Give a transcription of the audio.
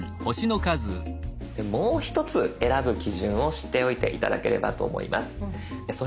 もう一つ選ぶ基準を知っておいて頂ければと思います。